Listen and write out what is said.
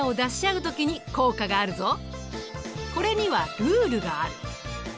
これにはルールがある。